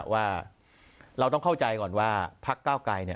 ว่าเราต้องเข้าใจก่อนว่าพักก้าวกลาย